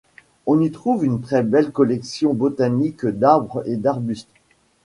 On y trouve une très belle collection botanique d'arbres et d'arbustes.